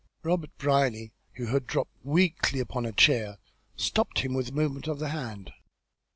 Robert Brierly, who had dropped weakly upon a chair, stopped him with a movement of the hand.